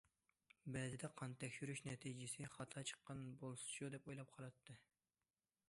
بەزىدە قان تەكشۈرۈش نەتىجىسى خاتا چىققان بولسىچۇ دەپ ئويلاپ قالاتتى.